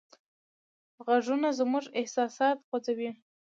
غږونه زموږ احساسات خوځوي.